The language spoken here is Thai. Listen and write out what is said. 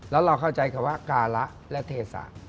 แล้วเราเข้าใจคำว่าการะและเทศะ